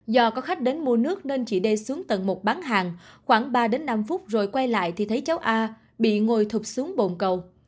do có khách đến mua nước nên chị đi xuống tầng một bán hàng khoảng ba đến năm phút rồi quay lại thì thấy cháu a bị ngồi thục xuống bồn cầu